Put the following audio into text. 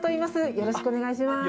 よろしくお願いします。